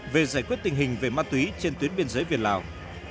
về giải quyết tình hình về ma túy trên tuyến biên giới việt lào